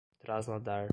trasladar